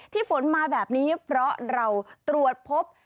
ฝนมาแบบนี้เพราะเราตรวจพบ